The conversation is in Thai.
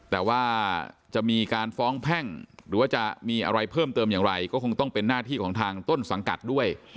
แต่ว่าจะมีการฟ้องแพ่งหรือว่าจะมีอะไรเพิ่มเติมอย่างไรก็คงต้องเป็นหน้าที่ของทางต้นสังกัดด้วย